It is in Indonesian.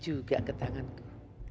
jatuh juga ke tanganku